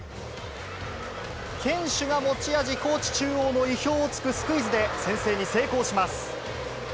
堅守が持ち味、高知中央の意表をつくスクイズで先制に成功します。